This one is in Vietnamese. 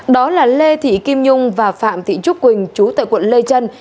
đó là lê thị kim nhung và phạm thị trúc quỳnh chú tại quận lê trân